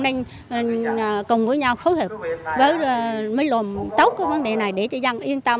đang cùng với nhau phối hợp với mấy lần tốt cái vấn đề này để cho dân yên tâm